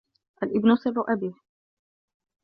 الإبن سر أبيه.